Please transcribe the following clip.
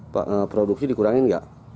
pak produksi dikurangin nggak